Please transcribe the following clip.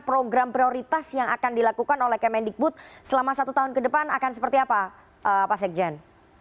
program prioritas yang akan dilakukan oleh kemendikbud selama satu tahun ke depan akan seperti apa pak sekjen